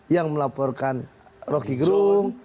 yang melaporkan roky gerung